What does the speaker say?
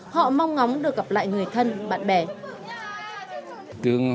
họ mong ngóng được gặp lại người thân bạn bè